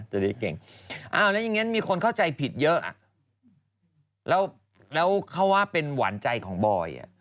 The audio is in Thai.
จะได้เก่งแล้วยังงั้นมีคนเข้าใจผิดเยอะแล้วเขาว่าเป็นหวานใจของบอยล์